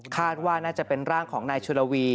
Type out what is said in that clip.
คาดว่าน่าจะเป็นร่างของนายชุลวี